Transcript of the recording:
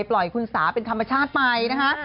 ปล่อยคุณสาเป็นธรรมชาติไปนะคะ